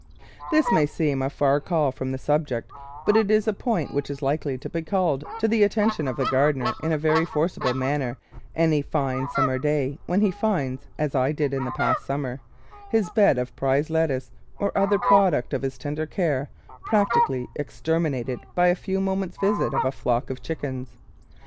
This may seem a far call from the subject, but it is a point which is likely to be called to the atten tion of the gardener in a very forcible manner any fine summer day, when he finds, as I did the past summer, his bed of prize lettuce, or other product of his tender care, practically exterminated by a few moments' visit of a flock of chickens.